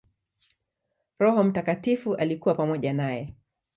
Roho Mtakatifu alikuwa pamoja naye.